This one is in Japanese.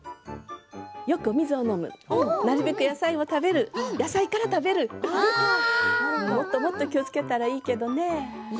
よく水を飲むなるべく野菜を食べる野菜から食べるもっともっと気をつけたらいいけどね。